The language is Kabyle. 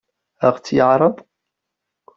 Ad ɣ-tt-yeɛṛeḍ?